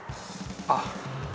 あっ。